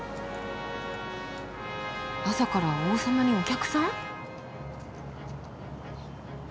朝から王様にお客さん？